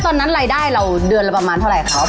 ตอนนั้นรายได้เราเดือนละประมาณเท่าไหร่ครับ